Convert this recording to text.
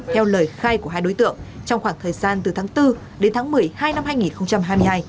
theo lời khai của hai đối tượng trong khoảng thời gian từ tháng bốn đến tháng một mươi hai năm hai nghìn hai mươi hai